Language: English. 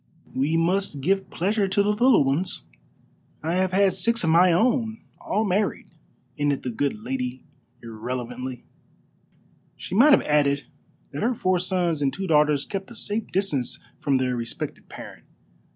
We must give pleasure to the little ones. I have had six of my own, all married," ended the good lady irrelevantly. She might have added that her four sons and two daughters kept at a safe distance from their respected parent.